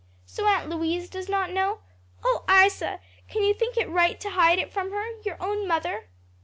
So Aunt Louise does not know? Oh, Isa, can you think it right to hide it from her your own mother?"